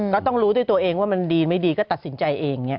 ก็ต้องรู้ด้วยตัวเองว่ามันดีไม่ดีก็ตัดสินใจเอง